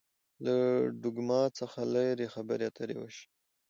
له ډوګما څخه لري خبرې اترې وشي.